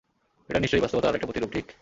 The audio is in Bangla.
এটা নিশ্চয়ই বাস্তবতার আরেকটা প্রতিরূপ, ঠিক?